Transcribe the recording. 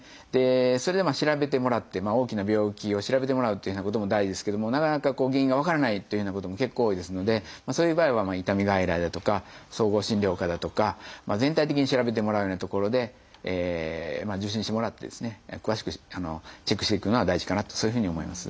それで調べてもらって大きな病気を調べてもらうっていうようなことも大事ですけどもなかなか原因が分からないというようなことも結構多いですのでそういう場合は痛み外来だとか総合診療科だとか全体的に調べてもらえるような所で受診してもらってですね詳しくチェックしていくのが大事かなとそういうふうに思います。